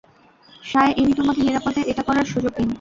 সান Yi তোমাকে নিরাপদে এটা করার সুযোগ দিন।